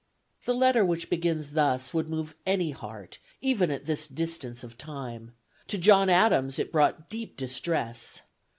The letter which begins thus would move any heart even at this distance of time: to John Adams, it brought deep distress.